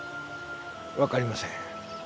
わかりません。